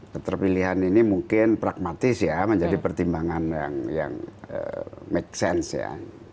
keterpilihan ini mungkin pragmatis ya menjadi pertimbangan yang make sense ya